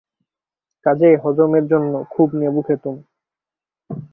কাজেই হজমের জন্য খুব নেবু খেতুম।